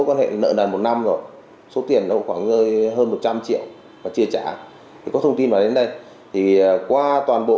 có đối tượng đối tượng đối tượng đối tượng